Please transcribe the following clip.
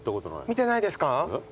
見てないですか？